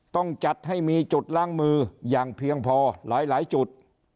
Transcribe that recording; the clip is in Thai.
ต้องจัดให้มีจุดล้างมืออย่างเพียงพอหลายจุด